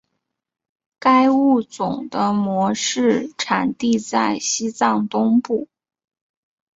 该物种的模式产地在西藏东部。